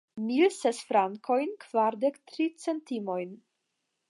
Mil ses frankojn, kvardek tri centimojn.